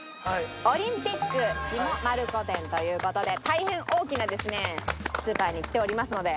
Ｏｌｙｍｐｉｃ下丸子店という事で大変大きなですねスーパーに来ておりますので。